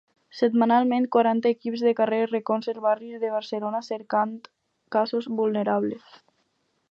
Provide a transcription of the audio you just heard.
Setmanalment, quaranta equips de carrer recorren els barris de Barcelona cercant casos vulnerables.